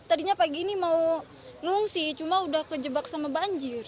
tadinya pagi ini mau ngungsi cuma udah kejebak sama banjir